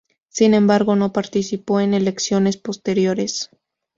Sin embargo, no participó en elecciones posteriores.